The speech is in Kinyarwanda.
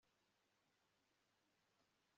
Antoni Kanyangira yatwaraga Migongo